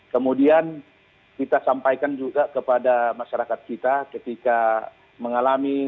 kemudian kita sampaikan juga kepada masyarakat kita ketika mengalami